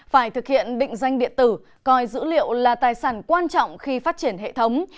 phải thực hiện định danh điện tử coi dữ liệu là tài sản quan trọng khi phát triển hệ thống